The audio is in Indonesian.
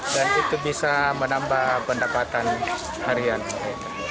dan itu bisa menambah pendapatan harian mereka